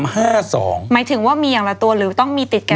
หมายถึงว่ามีอย่างละตัวหรือต้องมีติดกัน